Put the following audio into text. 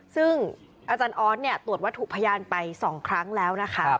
ซึ่งอาจารย์ออสตรวจวัตถุพยานไป๒ครั้งแล้วนะคะ